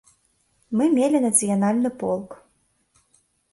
Мы мелі нацыянальны полк.